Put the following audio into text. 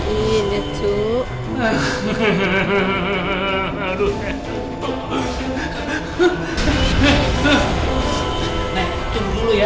dia mau cari penghinaan